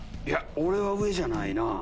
俺は上じゃないな。